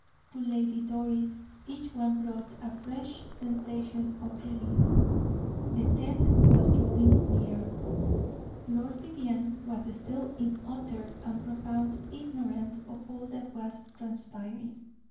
To Lady Doris each one brought a fresh sensation of relief. The tenth was drawing near. Lord Vivianne was still in utter and profound ignorance of all that was transpiring.